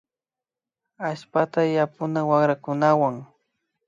Allpata yapuna wakrakunawan